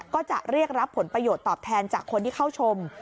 ก็จะเรียกรับผลประโยชน์ตอบแทนจากคนที่เข้าชม